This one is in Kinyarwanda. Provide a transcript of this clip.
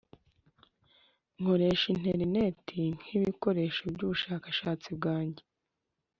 nkoresha interineti nkibikoresho byubushakashatsi bwanjye.